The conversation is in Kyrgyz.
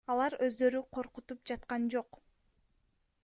Алар өздөрү коркутуп жаткан жок.